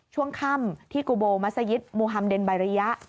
ช่วงค่ำที่กุโบมัศยิตมูฮัมเดนบายริยะ